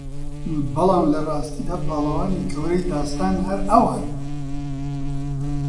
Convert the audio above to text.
بەڵام لە ڕاستیدا پاڵەوانی گەورەی داستان هەر ئەوانن